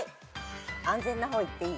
安全な方いっていい？